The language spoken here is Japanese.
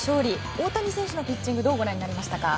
大谷選手のピッチングどう思いましたか？